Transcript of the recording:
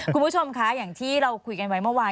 คุณผู้ชมคะอย่างที่เราคุยกันไว้เมื่อวาน